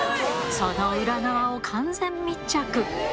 その裏側を完全密着。